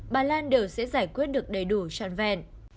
bà lan đều sẽ giải quyết được đầy đủ trọn vẹn